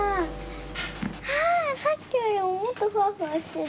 ああさっきよりももっとふわふわしてる！